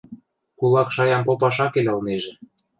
– Кулак шаям попаш ак кел ылнежӹ...